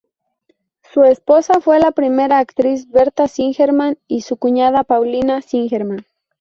Su esposa fue la primera actriz Berta Singerman y su cuñada Paulina Singerman.